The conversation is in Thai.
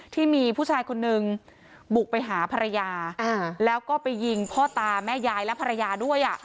ที่มีผู้ชายคนนึงบุกไปหาภรรยาแล้วก็ไปยิงพ่อตาแม่ยายและภรรยาด้วย